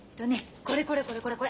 これこれこれこれこれ。